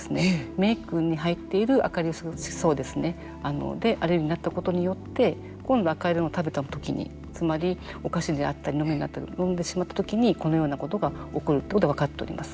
メイクに入っている赤色の色素でアレルギーになったことによって今度、赤色のを食べたときにつまり、お菓子であったり飲み物だったりを飲んでしまったときにこのようなことが起こるということが分かっております。